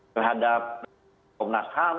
terhadap kom dan asn